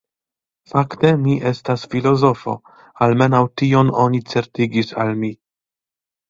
Fakte mi estas filozofo, almenaŭ tion oni certigis al mi.